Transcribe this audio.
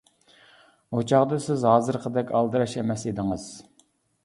ئۇ چاغدا سىز ھازىرقىدەك ئالدىراش ئەمەس ئىدىڭىز.